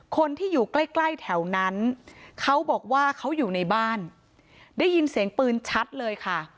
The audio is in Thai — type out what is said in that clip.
คนที่อยู่ใกล้ใกล้แถวนั้นเขาบอกว่าเขาอยู่ในบ้านได้ยินเสียงปืนชัดเลยค่ะ